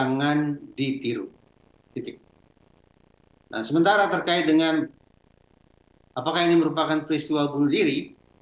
nah sementara terkait dengan apakah ini merupakan peristiwa bunuh diri